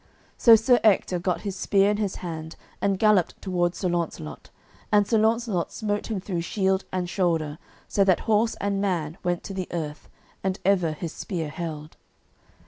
So Sir Ector got his spear in his hand and galloped toward Sir Launcelot, and Sir Launcelot smote him through shield and shoulder so that horse and man went to the earth, and ever his spear held.